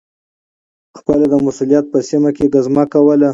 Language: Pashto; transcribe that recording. خپل د مسؤلیت په سیمه کي ګزمه کول